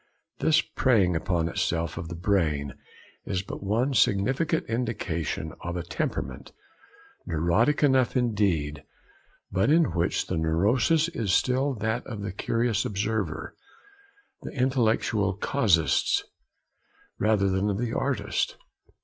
This preying upon itself of the brain is but one significant indication of a temperament, neurotic enough indeed, but in which the neurosis is still that of the curious observer, the intellectual casuist, rather than of the artist.